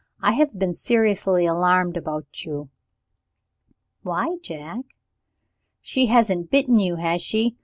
I have been seriously alarmed about you." "Why, Jack?" "She hasn't bitten you, has she?